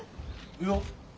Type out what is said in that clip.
いや。